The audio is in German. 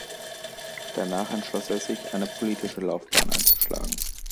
Danach entschloss er sich eine politische Laufbahn einzuschlagen.